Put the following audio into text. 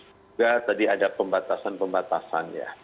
juga tadi ada pembatasan pembatasan ya